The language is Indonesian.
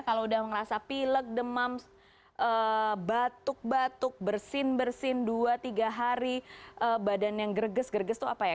kalau sudah merasa pilek demam batuk batuk bersin bersin dua tiga hari badan yang gereges gereges tuh apa ya